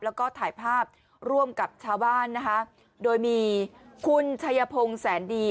แล้วก็ถ่ายภาพร่วมกับชาวบ้านนะคะโดยมีคุณชัยพงศ์แสนดี